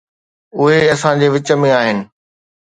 اهي اسان جي وچ ۾ آهن.